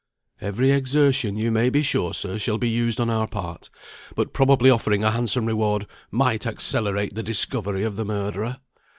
"Every exertion, you may be sure, sir, shall be used on our part; but probably offering a handsome reward might accelerate the discovery of the murderer.